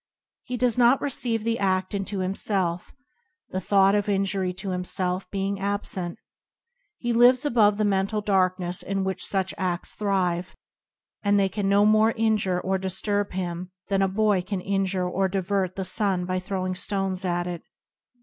He does not receive the a6t into himself, the thought of injury to himself be ing absent. He lives above the mental dark ness in which such a6ts thrive, and they can no more injure or disturb him than a boy can injure or divert the sun by throwing stones at it.